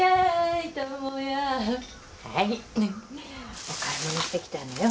はいねっお買い物してきたのよ